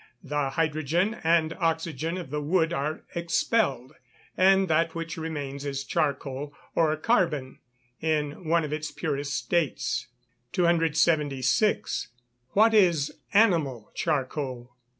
The hydrogen and oxygen of the wood are expelled, and that which remains is charcoal, or carbon in one of its purest states. 276. _What is animal charcoal?